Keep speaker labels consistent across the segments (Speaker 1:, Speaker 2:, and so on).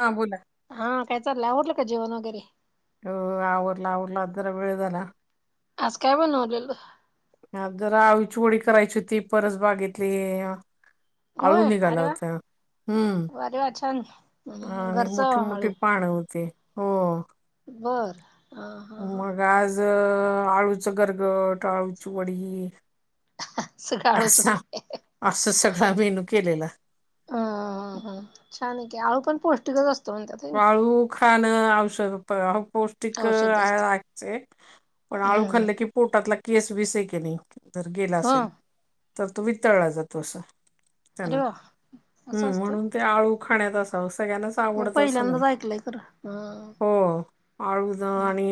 Speaker 1: हा बोला.
Speaker 2: हा काय चाललंय आवरल का जेवण वगैरे.
Speaker 1: हो आवरला आवरला आज जरा वेळ झाला.
Speaker 2: आज काय बनवलेलं.
Speaker 1: ह जरा आवीची डी करायची होती परत बागितली. आळू
Speaker 2: होय
Speaker 1: निघाला
Speaker 2: अरे वा
Speaker 1: होत्या. हम्म
Speaker 2: अरे वा छान
Speaker 1: आणि
Speaker 2: घरच
Speaker 1: मोठी मोठी
Speaker 2: आळू
Speaker 1: पान होते हो.
Speaker 2: बर. हा हा हा
Speaker 1: मग आज आळूचं गरगट, आळूची वडी.
Speaker 2: सगळं आळूचच
Speaker 1: असा
Speaker 2: काय
Speaker 1: असं सगळं मेनू केलेला.
Speaker 2: अ ह छान आहे की आळू पण पौष्टिकच असत.
Speaker 1: आळू खाणं औषध पो.
Speaker 2: औषधी असते.
Speaker 1: आहेचे पण आळू खाल्ले
Speaker 2: हम्म
Speaker 1: की पोटातला केस बस आहे की नाही. जर गेला
Speaker 2: हो
Speaker 1: असेल तर तो वितळला जातो अस त्यांना
Speaker 2: अरे वा असं
Speaker 1: हम्म
Speaker 2: असतंय
Speaker 1: म्हणून ते आळू खाण्यात असाव सगळ्यांनाच
Speaker 2: मी
Speaker 1: आवडत अस -
Speaker 2: पहिल्यांदाच ऐकलंय खरं हा
Speaker 1: हो आळूद आणि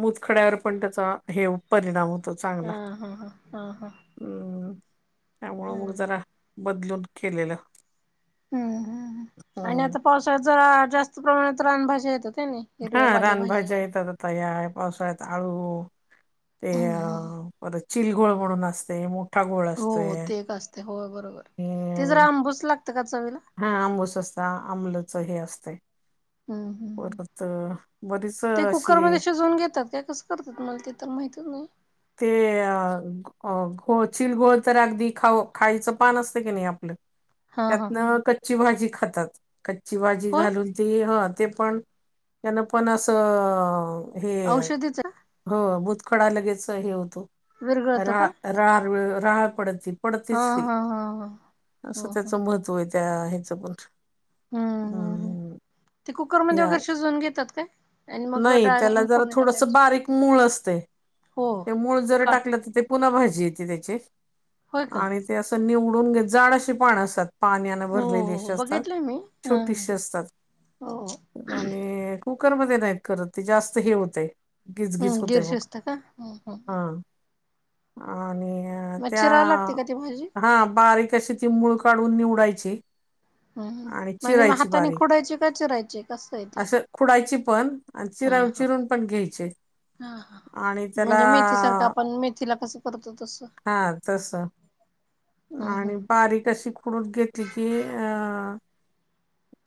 Speaker 1: मुतखड्यावर पण त्याचा हे परिणाम होतो चांगला
Speaker 2: हा हा हा हा हा
Speaker 1: हम् त्यामुळं मग
Speaker 2: हम्म
Speaker 1: जरा बदलून केलेलं
Speaker 2: हम्म ह आणि
Speaker 1: हम्म.
Speaker 2: आता पावसाळ्यात जरा जास्त प्रमाणात रानभाज्या येताता नाही
Speaker 1: हा
Speaker 2: हिरव्या
Speaker 1: रान भाज्या
Speaker 2: पालेभाज्या
Speaker 1: येतात तया आहे पावसाळ्यात आळू ते
Speaker 2: हम्म
Speaker 1: अ
Speaker 2: हम्म
Speaker 1: परत चिलगोळ म्हणून असते गोळ
Speaker 2: हो
Speaker 1: असतोय
Speaker 2: ते एक असते होय बरोबर ते
Speaker 1: आणि
Speaker 2: जरा अंबूस लागत का चवीला
Speaker 1: हा आंबूस असत आंमलचं हे असतं
Speaker 2: हम्म हम्म.
Speaker 1: परत बरीच अशी
Speaker 2: भिजवून घेतात काय कस करतात मला ते तर माहतीच नाही
Speaker 1: ते अ घोळ चिलघोळ तर अगदी खाऊ खायचं पान असतय की नाही आपलं
Speaker 2: हा हा.
Speaker 1: त्यातन कच्ची भाजी खातात कच्ची भाजी
Speaker 2: होय
Speaker 1: घालून ती ह ते पण त्यान पण असं हे
Speaker 2: औषधीच का
Speaker 1: हो मुतखडा लगेच हे होतो
Speaker 2: विरगळतो का
Speaker 1: रा रा राहळ पडती
Speaker 2: हा
Speaker 1: पडतीस ती
Speaker 2: हा हा हा. ह
Speaker 1: असं
Speaker 2: ह
Speaker 1: त्याच मह - - त्वय त्या ह्याचं पण
Speaker 2: हम्म हम्म
Speaker 1: हम्
Speaker 2: ते कुकरमध्ये वगैर शिजवून घेतात काय आणि मग
Speaker 1: नाही
Speaker 2: डाळ
Speaker 1: त्याला
Speaker 2: घालून
Speaker 1: जरा
Speaker 2: फोडणी
Speaker 1: थोडस
Speaker 2: टाकायची
Speaker 1: बारीक मूळ असतय
Speaker 2: हो
Speaker 1: ते मूळ जरा
Speaker 2: का
Speaker 1: टाकलं तर ते पुन्हा भाजी येते त्याची
Speaker 2: होय का?
Speaker 1: आणि ते असं निवडून घेत जाड अशी पाण असतात पाण्यान
Speaker 2: हो
Speaker 1: भरलेली
Speaker 2: हो
Speaker 1: अशी असतात
Speaker 2: बघितलंय मी हा
Speaker 1: छोटीशी असतात
Speaker 2: हो.
Speaker 1: आणि कुकरमध्ये नाहीत करत ते जास्त हे होते गिसगीस
Speaker 2: हम्म गिर
Speaker 1: होते मग
Speaker 2: शिजत का हम्म हम्म
Speaker 1: हा आणि
Speaker 2: मग
Speaker 1: त्या
Speaker 2: चिराव लागते का ती भाजी?
Speaker 1: हा बारीक तशी ती मूळ काढून निवडायची
Speaker 2: हम ह
Speaker 1: आणि
Speaker 2: म्हणजे मग
Speaker 1: चिरायची
Speaker 2: हाताने
Speaker 1: बारीक
Speaker 2: खोडायची का चिरायची कसं आहे ते
Speaker 1: असं खुडायची पण आणि
Speaker 2: हा
Speaker 1: चिरा
Speaker 2: हा
Speaker 1: चिरून पण घ्यायचे
Speaker 2: हा ह
Speaker 1: आणि त्याला
Speaker 2: म्हणजे मेथी सारखं आपण मेथीला कस करतो तसं
Speaker 1: हा तस
Speaker 2: हम्म
Speaker 1: आणि
Speaker 2: हम्म
Speaker 1: बारीक अशी खुडुन घेतली की अ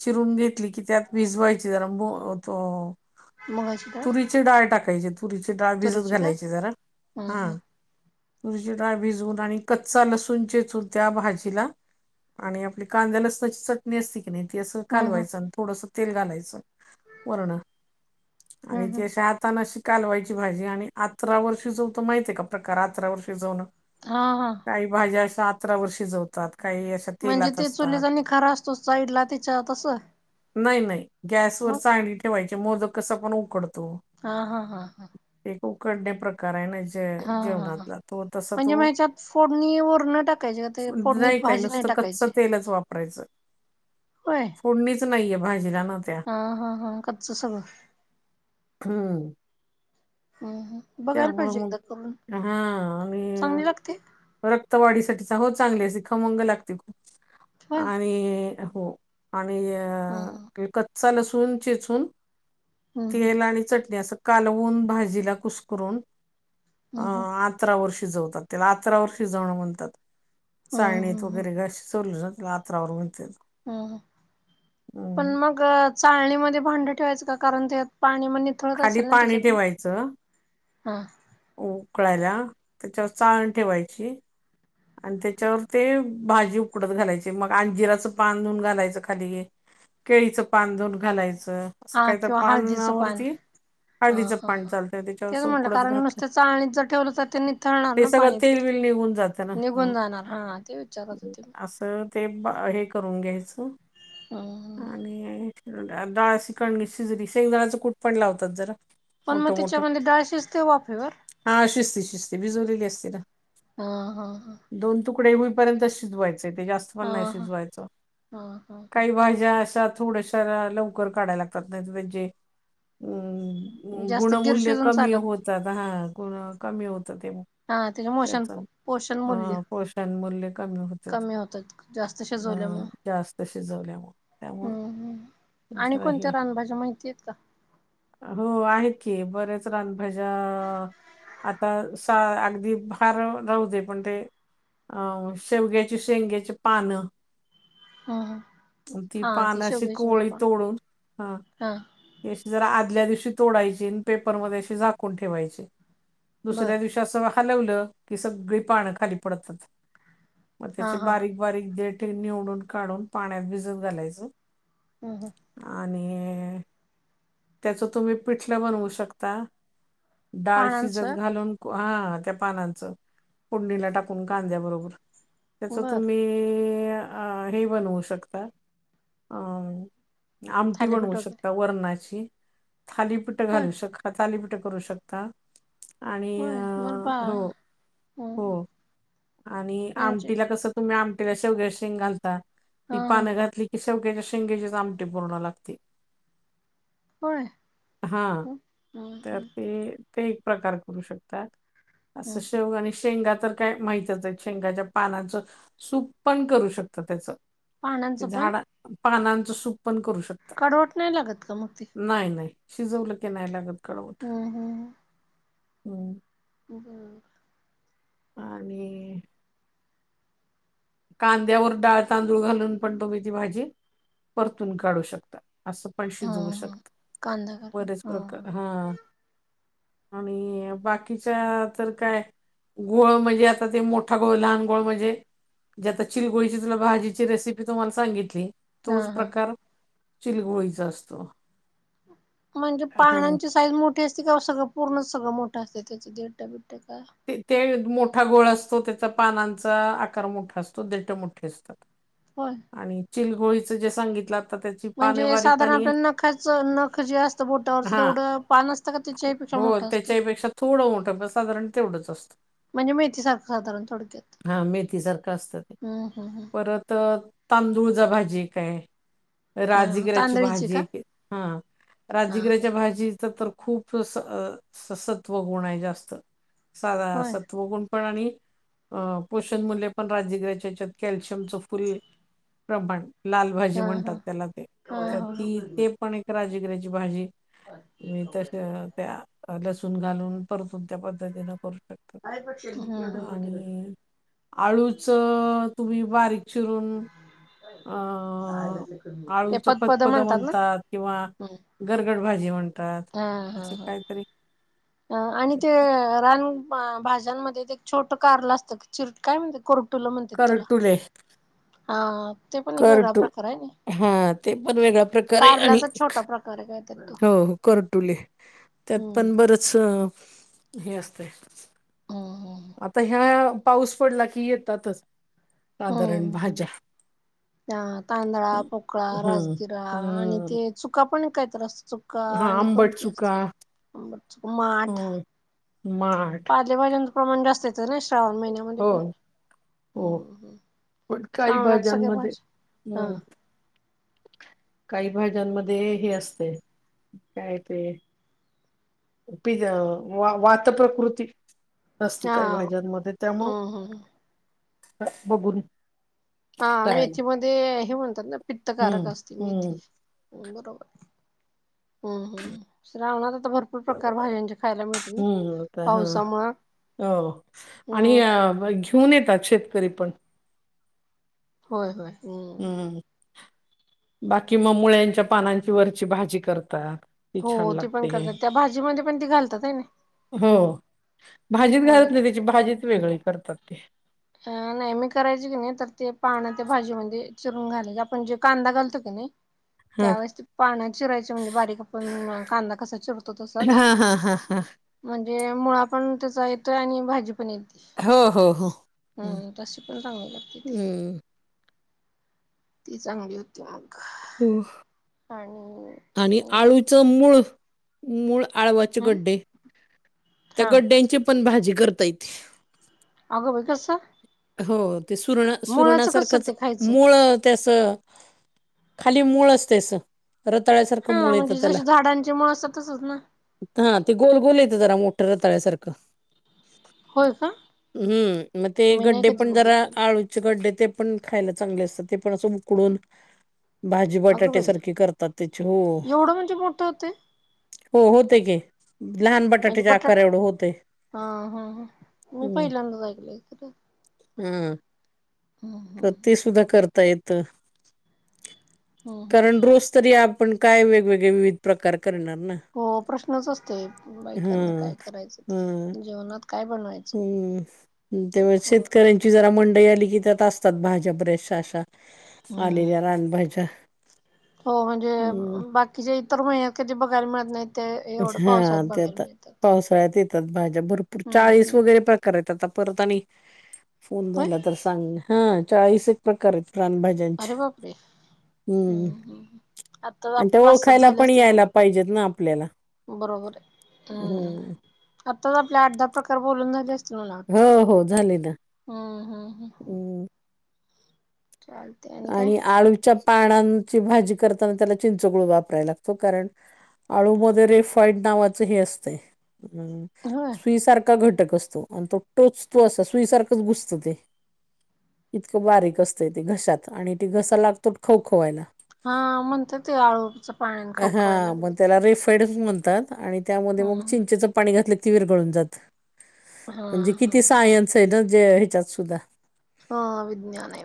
Speaker 1: चिरून घेतली की त्यात भिजवायची जरा मो तो
Speaker 2: मुगाची डाळ
Speaker 1: तुरीची डाळ टाकायची - तुरीची डाळ भिजत
Speaker 2: तुरीची काय?
Speaker 1: घालायची जरा
Speaker 2: हम्म
Speaker 1: हा
Speaker 2: हम्म
Speaker 1: तुरची डाळ भिजवून आणि कच्चा लसूण चेचून त्या भाजीला आणि आपली कांदा लसणाची चटणी असते की ते अस
Speaker 2: हम्म हम्म
Speaker 1: कालवायचं आणि थोडस तेल घालायचं वरण
Speaker 2: हम्म
Speaker 1: आणि ते
Speaker 2: हम्म
Speaker 1: अशी आात तानाशी कालवायची भाजी आणि आतरा वर शिजवतो माहितय का प्रकार आतरा वर शिजवन
Speaker 2: हा हा
Speaker 1: काही भाज्या अशा अतरा वर शिजवतात काही
Speaker 2: म्हणजे
Speaker 1: तेलात
Speaker 2: ते
Speaker 1: असतात
Speaker 2: चुलीचा निखारा असतो साईडला त्याच्या तसं
Speaker 1: नाही नाही गॅसवरर
Speaker 2: मग
Speaker 1: चाळणी ठेवायची मोदक कस पण उकडतो
Speaker 2: हा हा हा हा
Speaker 1: एक उकडणे प्रका - [unintelligible]
Speaker 2: हा हा हा म्हणजे म ह्याच्यात फोडणी वरण टाक ते ज्या आता
Speaker 1: नाही
Speaker 2: फोडणीत
Speaker 1: काय
Speaker 2: भाजी नाही
Speaker 1: नुसतं कच्चं
Speaker 2: टाकायची
Speaker 1: तेलच वापरायचं
Speaker 2: होय
Speaker 1: फोडणीच नाहीये भाजीला ना त्या
Speaker 2: हा हा हा कच्च सगळ -
Speaker 1: हम्म
Speaker 2: हम् हम बघायला
Speaker 1: त्यामुळं
Speaker 2: पाहिजे
Speaker 1: मग
Speaker 2: एकदा करून चांगली लागते
Speaker 1: रक्तवाढीसाठीच हो चांगलीे खमंग लागते खूप
Speaker 2: होय
Speaker 1: आणि हो आणि
Speaker 2: हम्म
Speaker 1: ते कच्चा लसून चेचून
Speaker 2: हम्म
Speaker 1: तेल आणि चटणी असं कालवून भाजीला कुसकरून अ
Speaker 2: हम्म हम्म
Speaker 1: आ - अतरावर शिजवतात त्याला अतरावर शिजवणं म्हणतात चाळणीत
Speaker 2: हम्म
Speaker 1: वगैरे [unintelligible] शिजवलं त्याला आतरावर म्हणत्यात
Speaker 2: हं हं पण मग चाळणीमध्ये भांडं ठेवायचं का कारण त्यात पाणी म नित नितळत
Speaker 1: खाली
Speaker 2: असेल ना
Speaker 1: पाणी
Speaker 2: त्याच्यातन
Speaker 1: ठेवायचं
Speaker 2: हा
Speaker 1: उकळायला त्याच्यावर चाळण ठेवायची आणि त्याच्यावर ते भाजी उकडत घालायची मग अंजिराचं पान धुऊन घालायचं खाली केळीचं पान धुवून घालायचं असं
Speaker 2: हा
Speaker 1: काय तर
Speaker 2: किंवा हळदीचं पान
Speaker 1: पानावरती
Speaker 2: हा
Speaker 1: हळदीचं
Speaker 2: हा
Speaker 1: पान
Speaker 2: हा
Speaker 1: चालतय त्याच्यावर
Speaker 2: तेच
Speaker 1: असं
Speaker 2: म्हटलं
Speaker 1: उकडत
Speaker 2: कारण
Speaker 1: घातलं
Speaker 2: नुसत्या चाळणीत जर ठेवलं तर ते निथळणार
Speaker 1: ते
Speaker 2: ना
Speaker 1: सगळ
Speaker 2: पाणी
Speaker 1: तेलबिल
Speaker 2: तिथलं
Speaker 1: निघून जातं ना
Speaker 2: निघून
Speaker 1: हं.
Speaker 2: जाणार हा ते विचारत होते मी
Speaker 1: असं ते भा हे करून घ्यायचं
Speaker 2: हा हा
Speaker 1: आणि डाळ ची कणगी शिजली शेंगदाण्याच कुट पण लावतात जरा
Speaker 2: पण मग
Speaker 1: मोठं मोठं
Speaker 2: त्याच्यामध्ये डाळ शिजते वाफेवर
Speaker 1: हा शिजते शिजते भिजवलेली असते ना
Speaker 2: हा हा ह
Speaker 1: दोन तुकडे होईपर्यंत शिजवायचे ते जास्त पण
Speaker 2: हा
Speaker 1: नाही
Speaker 2: हा
Speaker 1: शिजवायचं
Speaker 2: हा हा
Speaker 1: काही भाज्या भाज्या अश्या थोड्याश्या लवकर काढाय लागतात नाहीतर म्हणजे
Speaker 2: हा
Speaker 1: अ
Speaker 2: जास्त गिर
Speaker 1: गुणमूल्य
Speaker 2: शिजून
Speaker 1: कमी
Speaker 2: चालत
Speaker 1: होत
Speaker 2: नाही
Speaker 1: जात हा गुण कमी होतात ते म
Speaker 2: हा तिच्यामुळ शांपो
Speaker 1: हा पोषण मूल्य कमी होतात
Speaker 2: कमी जास्त
Speaker 1: हा
Speaker 2: शिजवल्यामुळे
Speaker 1: जास्त शिजवल्याम - त्यामूळ
Speaker 2: हम्म हम्म. आणि कोणत्या रानभाज्या माहिती आहेत का
Speaker 1: हो आहेत की बरेच रानभाज्या आ आता सा अगदी फार राहू दे पण ते अ शेवग्याची शेंग्याची पानं
Speaker 2: हम्म हम्म.
Speaker 1: ती
Speaker 2: हा ते
Speaker 1: पान अशी
Speaker 2: शेवग्याची शेंग
Speaker 1: कोवळी
Speaker 2: पण
Speaker 1: तोडून हा अशी जरा आदल्या दिवशी तोडायची नी पेपरमध्ये अशी झाकून ठेवायची दुसऱ्या
Speaker 2: बर
Speaker 1: दिवशी असं हलवलं की सगळी पान खाली पडतात मग
Speaker 2: हा
Speaker 1: त्याचे
Speaker 2: हा
Speaker 1: बारीक बारीक देठ हे निवडून काढून पाण्यात भिजत घालायचं
Speaker 2: ह हं
Speaker 1: आणि त्याच तुम्ही पिठलं बनवू शकता डाळ शिजत
Speaker 2: पानांचं
Speaker 1: घालून हा त्या पानांचं फोडणीला टाकून कांद्या बरोबर त्याच
Speaker 2: बर
Speaker 1: तुम्ही हे अ हे बनवू शकता आ आमटी बनवू
Speaker 2: थालीपीठ वगैरे
Speaker 1: शकता वरणाची थालीपीठ
Speaker 2: होय
Speaker 1: घालू शक- थालीपीठ करू शकता आणि
Speaker 2: होय मला बा
Speaker 1: हो
Speaker 2: हम्म हम्म
Speaker 1: हो आणि
Speaker 2: म्हणजे
Speaker 1: आमटीला कसं तुम्ही आमटीला शेवग्याची शेंग घालता
Speaker 2: हा
Speaker 1: ती
Speaker 2: हा
Speaker 1: पानं घातली की शेवग्याच्या शेंगेचीच आमटी पूर्ण लागते
Speaker 2: होय
Speaker 1: हा
Speaker 2: हम्म हम्म
Speaker 1: तर
Speaker 2: हम्म.
Speaker 1: ते ते एक प्रकार करू शकतात
Speaker 2: हम्म
Speaker 1: असं
Speaker 2: हम्म
Speaker 1: शेवगा आणि शेंगा तर काय माहितच आहे शेंगाच्या पानाचं सूप पण करू शकता त्याच ते
Speaker 2: पानांचं पण
Speaker 1: झाडा पानांचं सूप पण करू शकतात
Speaker 2: कडवट नाही लागत का मग ते
Speaker 1: नाही नाही शिजवलं की नाही लागत कडवट
Speaker 2: हम्म
Speaker 1: हम्
Speaker 2: हं
Speaker 1: आणि कांद्यावर डाळ तांदूळ घालून पण तुम्ही ती भाजी परतून काढू शकता असं पण
Speaker 2: हा
Speaker 1: शिजवू
Speaker 2: हा
Speaker 1: शकत
Speaker 2: कांदा घालून
Speaker 1: बरेच प्रकार हा आणि बाकीच्या तर काय गोळ म्हणजे आता ते मोठा गोळ लहान गोळ म्हणजे जे आता चिलगोळीची तुला भाजीची रेसिपी तुम्हाला सांगितली
Speaker 2: हा
Speaker 1: तोच
Speaker 2: हा हा.
Speaker 1: प्रकार चिलगोळीचा असतो
Speaker 2: म्हणजे
Speaker 1: हं.
Speaker 2: पानांची साईज मोठी असते का सगळं पूर्ण सगळं मोठं असते त्याचे देठ बीठ काय
Speaker 1: ते ते मोठा गोळ असतो त्याचा पानांचा आकार मोठा असतो देठ मोठे अस -तात
Speaker 2: होय
Speaker 1: आणि चिलगोळीच जे सांगितलं अ -
Speaker 2: म्हणजे साधारण आपल्या नखाचं नख जे असतं बोटावरच
Speaker 1: हा
Speaker 2: तेवढं पान असतं का त्याच्यापेक्षा
Speaker 1: हो
Speaker 2: मोठं असतय
Speaker 1: त्याच्याहीपेक्षा थोडं मोठं पण साधारण तेवढंच असतं
Speaker 2: म्हणजे मेथी सारखं साधारण थोडक्यात
Speaker 1: हा मेथीसारखं असतं ते
Speaker 2: हम्म हम्म
Speaker 1: परत तांदूळजा भाजी एक आय
Speaker 2: हम्म हा
Speaker 1: राजगिऱ्याची
Speaker 2: तांदळीची
Speaker 1: भाजी
Speaker 2: का
Speaker 1: एक हा
Speaker 2: हा हा
Speaker 1: राजगिऱ्याच्या भाजी च तर खूप स ससत्व गुणाय जास्त साध
Speaker 2: होय
Speaker 1: सत्वगुण पण आणि अ पोषण मूल्य पण राजिगऱ्याच्या ह्याच्यात कॅल्शियमचं फुल प्रमाण लाल भाजी
Speaker 2: हा हा हा
Speaker 1: म्हणतात
Speaker 2: हा.
Speaker 1: त्याला ते तर ती ते पण एक राजगिऱ्याची भाजी मी तस त्या लसूण घालून परतून त्या पद्धतीन [unintelligible]
Speaker 2: [unintelligible]
Speaker 1: आळूच तुम्ही बारीक चिरून अ अं
Speaker 2: ते
Speaker 1: आळूचं
Speaker 2: फतपद
Speaker 1: पतपद
Speaker 2: ना
Speaker 1: म्हणतात किंवा गरगड भाजी म्हणतात
Speaker 2: हा हा
Speaker 1: असं
Speaker 2: हा
Speaker 1: काहीतरी
Speaker 2: अ आणि ते रान भाज्यांमध्ये ते एक छोटं कारल असतं चिर काय म्हणते कोरटुला म्हणतात त्याला
Speaker 1: करटुले
Speaker 2: हा ते पण एक वेगळा
Speaker 1: करटू
Speaker 2: प्रकार आहे ना
Speaker 1: हा ते पण वेगळा प्रकार आहे आणि
Speaker 2: कारल्याचाच
Speaker 1: एक
Speaker 2: छोटा प्रकार आहे कायतर तो
Speaker 1: हो हो करटुले त्यात
Speaker 2: हम्म
Speaker 1: पण बरच हे असतंय
Speaker 2: हम हम
Speaker 1: आता ह्या पाऊस पडला की येतातच साधारण
Speaker 2: हम्म
Speaker 1: भाज्या
Speaker 2: ह तांदळा पोकळा
Speaker 1: हम्म
Speaker 2: राजगिरा आणि
Speaker 1: हम्म
Speaker 2: ते चुका पण कायतर असत चुका
Speaker 1: हा
Speaker 2: आणि
Speaker 1: आंबट
Speaker 2: कोणती
Speaker 1: चुका
Speaker 2: असतबर चु माठ
Speaker 1: हम्म माठ
Speaker 2: पालेभाज्यांच प्रमाण जास्त येतं ना श्रावण महिन्यामध्ये
Speaker 1: हो
Speaker 2: पण
Speaker 1: हो
Speaker 2: हम हम
Speaker 1: पण काही
Speaker 2: श्रावणात सगळ्या
Speaker 1: भाज्यांमध्ये
Speaker 2: भाज्या हा
Speaker 1: हं काही भाज्यांमध्ये हे असतय काय ते पिद वा वात प्रकृती असती काही
Speaker 2: हा
Speaker 1: भाज्यांमध्ये त्यामुळ
Speaker 2: हम्म हम्म
Speaker 1: बघून
Speaker 2: हा
Speaker 1: करायला
Speaker 2: मेथी मध्ये हे म्हणतात ना पित्तकारक
Speaker 1: हम्म
Speaker 2: असते
Speaker 1: हम्म
Speaker 2: मेथी बरोबर हम्म हम श्रावणात आता भर - प्रकार भाज्यांचे खायला मिळते ना पावसामुळ
Speaker 1: ओ आणि
Speaker 2: हम्म
Speaker 1: घेऊन येतात शेतकरी पण
Speaker 2: होय होय हम
Speaker 1: हम्म बाकी मग मुळ्यांच्या पानांची वरची भाजी करतात ती छान
Speaker 2: हो ते पण
Speaker 1: लागते
Speaker 2: करतात त्या भाजीमध्ये पण ती घालतात आहे ना
Speaker 1: हो भाजीत घालत नाही
Speaker 2: मुळ्याची.
Speaker 1: त्याची भाजीत वेगळी करतात ते
Speaker 2: छानाय मी करायच की नाही तर ते पानांची भाजीमध्ये चिरून घालायचे आपण जे कांदा घालतो की नई
Speaker 1: हा
Speaker 2: त्यावेेळेस ते पाण्यात चिरायचे म्हणजे बारीक आपण कांदा कसा चिरतो तसाच
Speaker 1: हा हा हा हा
Speaker 2: म्हणजे मुळा पण त्याचा येतोय आणि भाजी पण येते
Speaker 1: हो हो हो
Speaker 2: हा
Speaker 1: हम्म
Speaker 2: तशी पण चांगली लागते ती
Speaker 1: हम्म
Speaker 2: ती चांगली होती मग
Speaker 1: हो
Speaker 2: आणि
Speaker 1: आणि आळूचं मूळ मूळ आळवाचे
Speaker 2: हम्
Speaker 1: गड्डे त्या
Speaker 2: हा
Speaker 1: गड्ड्यांची पण भाजी करता येते
Speaker 2: आग बई कस
Speaker 1: हो ते सुरण
Speaker 2: कसं
Speaker 1: सुरणासारखंच
Speaker 2: ते खायचं
Speaker 1: मूळ ते अस खाली मूळ असते अस रतळ्यासारखं
Speaker 2: हा
Speaker 1: मूळ येतं
Speaker 2: म्हणजे
Speaker 1: त्याला
Speaker 2: जशी झाडांची मुळ असतात तसच ना
Speaker 1: हा ते गोलगोल येतं जरा मोठ रताळ्यासारखं
Speaker 2: होय का
Speaker 1: हम्म मग ते
Speaker 2: मी नाही
Speaker 1: गड्डे
Speaker 2: कधी
Speaker 1: पण जरा
Speaker 2: बघितलेली
Speaker 1: आळूचे गड्डे ते पण खायला चांगले असतात ते पण असं उकडून भाजी
Speaker 2: अगं
Speaker 1: बटाट्या
Speaker 2: बाई
Speaker 1: सारखी करतात त्याची हो
Speaker 2: एवढं म्हणजे मोठं होते
Speaker 1: हो होते की लहान बा -
Speaker 2: म्हणजे बटाटू हा हा मी
Speaker 1: हम्म
Speaker 2: पहिल्यांदाच ऐकलंय खर -
Speaker 1: हा तर
Speaker 2: हम्
Speaker 1: ते सुद्धा करता येत कारण रोज तरी आपण काय वेगवेगळे विविध प्रकार करणार ना
Speaker 2: हो प्रश्नच असतोय बायकांना
Speaker 1: हं
Speaker 2: काय करायचं ते जेवनात काय बनवाय
Speaker 1: हम्म ते शेतकऱ्यांची जरा मंडई आली कि त्यात असतात भाज्या बरेचशा अशा
Speaker 2: हम्म
Speaker 1: आलेल्या रानभाज्या
Speaker 2: हो म्हणजे
Speaker 1: हं
Speaker 2: बाकी की जे इतर महिन्यात कधी बघायला मिळत नाही ते एवढं पावसात
Speaker 1: हा ते
Speaker 2: बघायला
Speaker 1: आता
Speaker 2: मिळतात
Speaker 1: पावसाळ्यात येतात भरपूर
Speaker 2: हम्म
Speaker 1: चाळीस
Speaker 2: हम्म.
Speaker 1: वगैरे प्रकार येतात परत आणि फोन
Speaker 2: होय
Speaker 1: झाला तर हा चाळीस एक प्रकार आहेत राणभाज्या -
Speaker 2: अरे बापरे हम्म हम्म आता
Speaker 1: आणि
Speaker 2: आपले
Speaker 1: त्या
Speaker 2: पाच सात
Speaker 1: ओळखायला
Speaker 2: झाले
Speaker 1: पण
Speaker 2: असतील मला
Speaker 1: यायला पाहिजेत ना आपल्याला
Speaker 2: वाटतय बरोबर आहे हम्म
Speaker 1: हं
Speaker 2: आताच आपले आठ - दहा प्रकार बोलून झाले असते मला
Speaker 1: हो
Speaker 2: वाटते
Speaker 1: हो झाले ना
Speaker 2: हम्म हम्म हम्म
Speaker 1: हं
Speaker 2: चाल
Speaker 1: आणि आळूच्या पानांची भाजी करताना त्याला चिंचगुळ वापरायला लागतो कारण आळूमध्येध्ये रेफाईड नावाचं हे असतय
Speaker 2: होच
Speaker 1: प्रीसारखा घटक असतो आणि तो टोच तो अस सुईसारखंच घुसत ते इतकं बारीक असतंय ते घशात आणि ते घसा लागतो खव खवायला
Speaker 2: हा म्हणत ते आळूच पानान खवखवायला लागले ते
Speaker 1: ड म्हणतात आणि त्यामध्ये मग
Speaker 2: हम्म
Speaker 1: चिंचेच पाणी घातले की विरगळून जात
Speaker 2: हा
Speaker 1: म्हणजे
Speaker 2: हा.
Speaker 1: किती सायन्स आहे ना जे ह्याच्यात सुद्धा
Speaker 2: हा विज्ञान आहे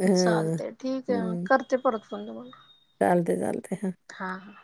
Speaker 1: ह
Speaker 2: चालते ठीक आहे म
Speaker 1: हम्म
Speaker 2: करते परत फोन तुम्हाला
Speaker 1: चालते चालते हा
Speaker 2: हां हा